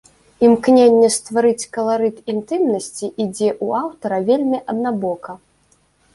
Імкненне стварыць каларыт інтымнасці ідзе ў аўтара вельмі аднабока.